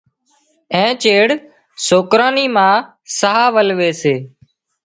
اين چيڙ سوڪران نِي ما ساهَ ولوي سي۔